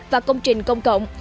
và công trình công cộng